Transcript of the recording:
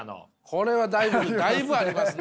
これはだいぶだいぶありますね